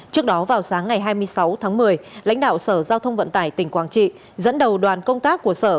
trước đó vào sáng ngày hai mươi sáu tháng một mươi lãnh đạo sở giao thông vận tải tỉnh quảng trị dẫn đầu đoàn công tác của sở